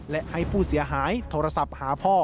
และให้ผู้เสียหายโทรศัพท์หาพ่อ